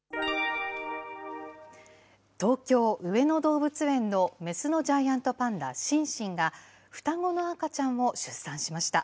東京・上野動物園の雌のジャイアントパンダ、シンシンが、双子の赤ちゃんを出産しました。